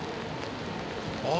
あ